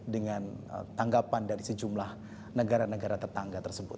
dengan tanggapan dari sejumlah negara negara tetangga tersebut